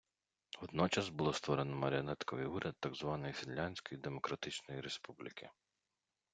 Водночас, було створено маріонетковий уряд так званої Фінляндської Демократичної Республіки.